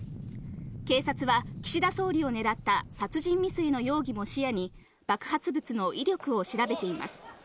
警察は岸田総理をねらった殺人未遂の容疑も視野に、爆発物の威力を調べています。